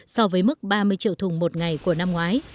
so với mức ba mươi triệu thùng một ngày của năm ngoái